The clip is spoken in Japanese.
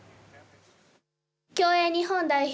競泳日本代表